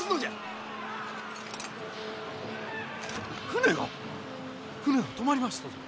船が船が止まりましたぞ。